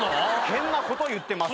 変なこと言ってます。